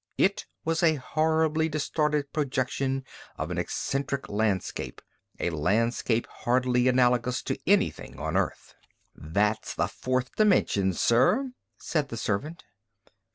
It was a horribly distorted projection of an eccentric landscape, a landscape hardly analogous to anything on Earth. "That's the fourth dimension, sir," said the servant.